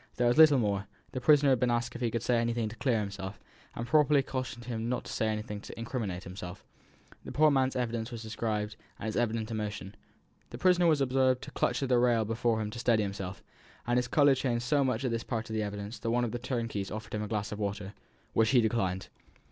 There was little more: the prisoner had been asked if he could say anything to clear himself, and properly cautioned not to say anything to incriminate himself. The poor old man's person was described, and his evident emotion. "The prisoner was observed to clutch at the rail before him to steady himself, and his colour changed so much at this part of the evidence that one of the turnkeys offered him a glass of water, which he declined.